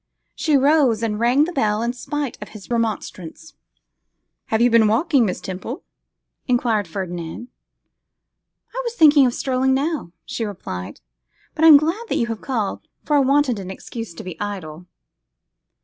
She rose and rang the bell in spite of his remonstrance. 'And have you been walking, Miss Temple?' enquired Ferdinand. 'I was thinking of strolling now,' she replied, 'but I am glad that you have called, for I wanted an excuse to be idle.